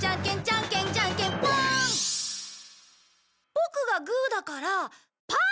ボクがグーだからパーの勝ち！